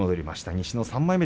西の３枚目。